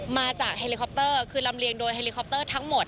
มาจากเฮลิคอปเตอร์คือลำเลียงโดยเฮลิคอปเตอร์ทั้งหมด